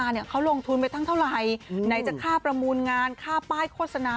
ไหนจะข้าประมูลงานข้าป้ายโฆษณา